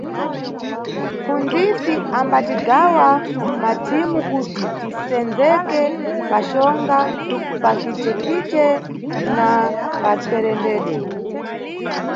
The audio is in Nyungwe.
Mʼpfundzisi ambatigawa mʼmathimu kuti tisendzeke paxonga, pankixekixe na pamʼpsherendende.